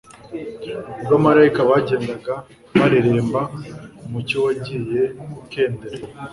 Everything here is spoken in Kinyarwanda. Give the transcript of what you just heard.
Ubwo abamarayika bagendaga barembera, umucyo wagiye ukendera,